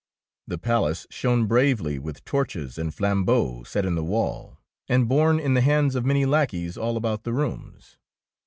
The palace shone bravely with torches and flambeaux set in the wall, and borne in the hands of many lack eys all about the rooms.